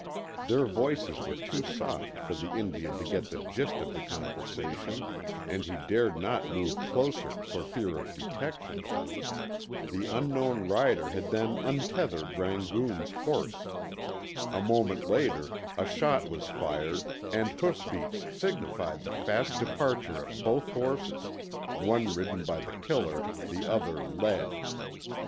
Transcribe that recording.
Their voices were too soft for the Indian to get the gist of the conversation, and he dared not move closer for fear of detection. The unknown rider had then untethered Rangoon's horse. A moment later a shot was fired and hoofbeats signified the fast departure of both horses, one ridden by the killer, the other led.